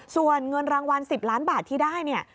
ส่วนเงินรางวัล๑๐ล้านบาทที่ได้เนี่ย